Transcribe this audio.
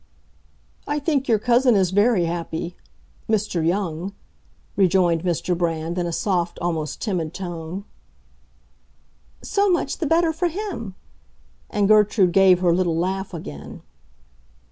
"I think your cousin is very happy—Mr. Young," rejoined Mr. Brand, in a soft, almost timid tone. "So much the better for him!" And Gertrude gave her little laugh again.